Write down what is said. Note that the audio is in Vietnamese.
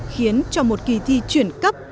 khiến cho một kỳ thi chuyển cấp